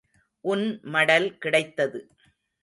உன் மடல் கிடைத்தது.